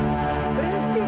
kamu sudah menang